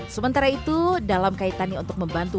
sementara itu dalam kaitannya untuk membantu